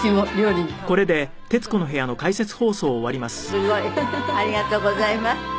すごい。ありがとうございました。